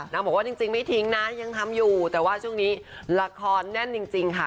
บอกว่าจริงไม่ทิ้งนะยังทำอยู่แต่ว่าช่วงนี้ละครแน่นจริงค่ะ